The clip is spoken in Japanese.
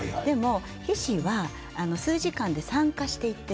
皮脂は数時間で酸化していきます。